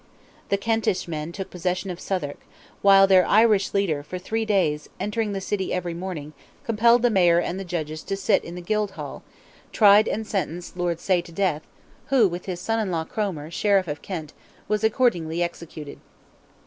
The Kentish men took possession of Southwark, while their Irish leader for three days, entering the city every morning, compelled the mayor and the judges to sit in the Guildhall, tried and sentenced Lord Say to death, who, with his son in law, Cromer, Sheriff of Kent, was accordingly executed.